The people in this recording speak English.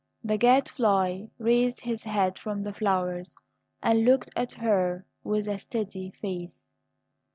The Gadfly raised his head from the flowers, and looked at her with a steady face.